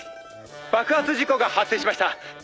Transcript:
「爆発事故が発生しました」